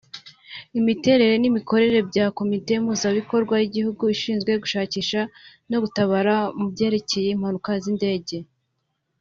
imiterere n’imikorere bya Komite Mpuzabikorwa y’Igihugu ishinzwe gushakisha no gutabara mu byerekeye impanuka z’indege